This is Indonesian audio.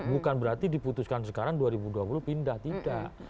bukan berarti diputuskan sekarang dua ribu dua puluh pindah tidak